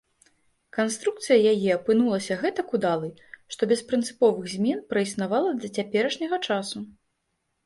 Канструкцыя яе апынулася гэтак удалай, што без прынцыповых змен праіснавала да цяперашняга часу.